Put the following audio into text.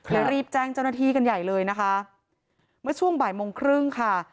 รีบแจ้งเจ้าหน้าที่กันใหญ่เลยนะคะเมื่อช่วงบ่ายโมงครึ่งค่ะ